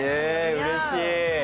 うれしい。